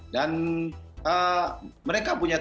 dan mereka punya teknik